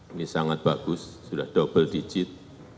ini sangat bagus sudah double digit